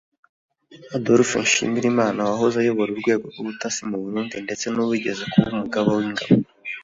Adolphe Nshimirimana wahoze ayobora urwego rw’ubutasi mu Burundi ndetse n’uwigeze kuba Umugaba w’Ingabo